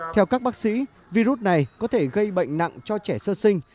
theo các bác sĩ virus này có thể gây bệnh nặng cho trẻ sơ sinh